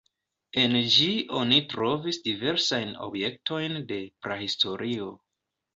En ĝi oni trovis diversajn objektojn de prahistorio.